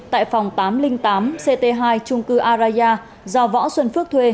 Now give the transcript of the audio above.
tại phòng tám trăm linh tám ct hai trung cư araya do võ xuân phước thuê